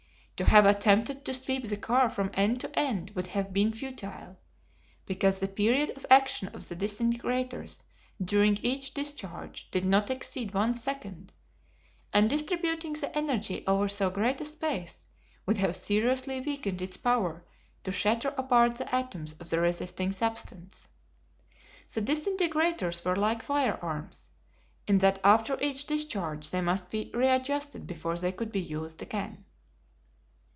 To have attempted to sweep the car from end to end would have been futile, because the period of action of the disintegrators during each discharge did not exceed one second, and distributing the energy over so great a space would have seriously weakened its power to shatter apart the atoms of the resisting substance. The disintegrators were like firearms, in that after each discharge they must be readjusted before they could be used again.